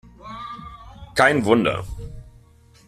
Kein Wunder!